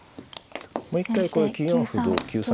もう一回これ９四歩同歩９三